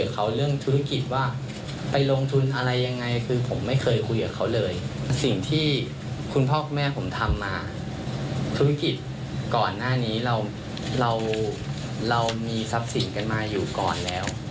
ค่ะไปฟังเลยค่ะ